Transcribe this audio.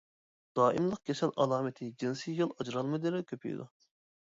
دائىملىق كېسەل ئالامىتى جىنسىي يول ئاجرالمىلىرى كۆپىيىدۇ.